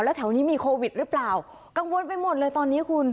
แล้วแถวนี้มีโควิดหรือเปล่ากังวลไปหมดเลยตอนนี้คุณ